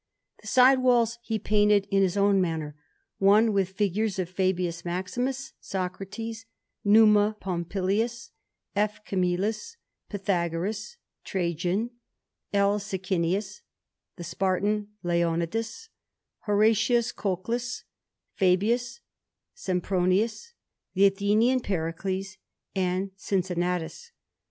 The side walls he painted in his own manner; one with figures of Fabius Maximus, Socrates, Numa Pompilius, F. Camillus, Pythagoras, Trajan, L. Sicinius, the Spartan Leonidas, Horatius Cocles, Fabius, Sempronius, the Athenian Pericles, and Cincinnatus.